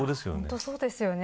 本当そうですよね。